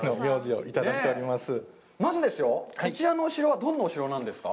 まずですよ、こちらのお城は、どんなお城なんですか？